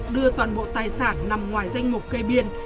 đưa toàn bộ tài sản nằm ngoài danh mục cây biên